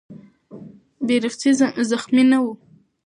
بیرغچی زخمي نه و.